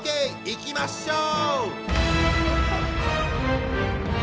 いきましょう！